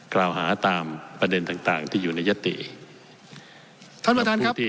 กล่าวหาตามประเด็นต่างต่างที่อยู่ในยติท่านประธานครับที่